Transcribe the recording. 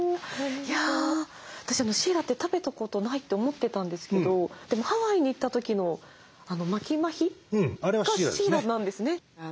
いや私シイラって食べたことないって思ってたんですけどでもハワイに行った時のマヒマヒがシイラなんですね。